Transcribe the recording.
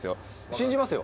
信じますよ。